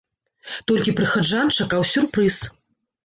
Толькі прыхаджан чакаў сюрпрыз.